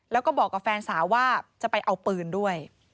แล้วก็บอกกับแฟนสาวว่าจะไปเอาปืนด้วย